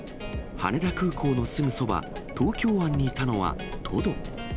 羽田空港のすぐそば、東京湾にいたのは、トド。